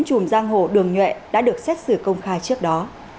chùm giang hồ đường nhuệ đã được xét xử công khai trước đó